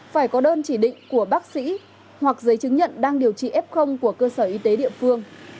phải có đơn chỉ định của bác sĩ hoặc giấy chứng nhận đang điều trị f của cơ sở y tế địa phương